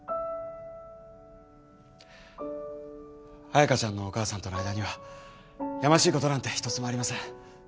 彩香ちゃんのお母さんとの間にはやましいことなんてひとつもありません。